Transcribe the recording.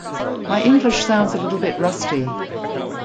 My english sounds a little bit rusty.